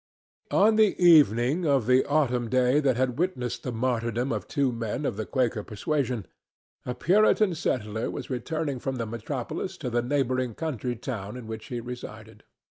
On the evening of the autumn day that had witnessed the martyrdom of two men of the Quaker persuasion, a Puritan settler was returning from the metropolis to the neighboring country town in which he resided.